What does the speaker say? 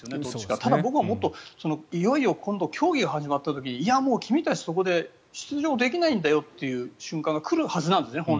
ただ、僕はもっといよいよ今度競技が始まった時に君たち、出場できないんだよという瞬間が来るはずなんですね。